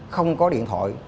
không có điện thoại